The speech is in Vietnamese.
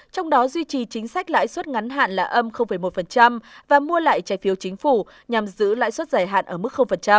trong đó duy trì chính sách lãi suất ngắn hạn là một và mua lại trái phiếu chính phủ nhằm giữ lãi suất giải hạn ở mức